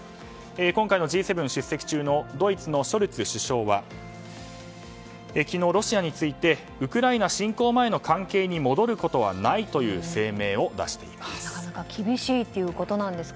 今回のＧ７出席中のドイツのショルツ首相は昨日、ロシアについてウクライナ侵攻前の状態に戻ることはないという声明を出しています。